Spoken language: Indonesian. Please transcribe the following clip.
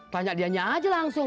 tanya dianya aja langsung